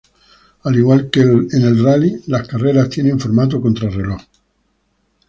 Al igual que en el rally, las carreras tienen formato contrarreloj.